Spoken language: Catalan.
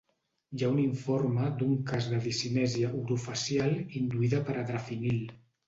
Hi ha un informe d'un cas de discinèsia orofacial induïda per adrafinil.